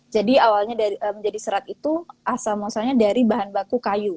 jadi awalnya menjadi serat itu asal masalnya dari bahan baku kayu